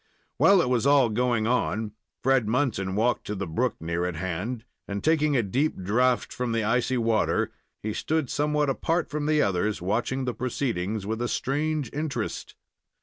While it was all going on, Fred Munson walked to the brook near at hand, and taking a deep draught from the icy water, he stood somewhat apart from the others, watching the proceedings with a strange interest.